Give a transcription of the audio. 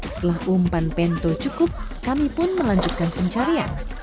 setelah umpan pento cukup kami pun melanjutkan pencarian